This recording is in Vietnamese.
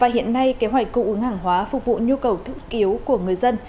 hiện nay kế hoạch cung ứng hàng hóa phục vụ nhu cầu thiết yếu của người dân